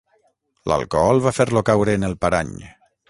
L'alcohol va fer-lo caure en el parany.